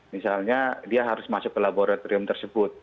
misalnya dia harus masuk ke laboratorium tersebut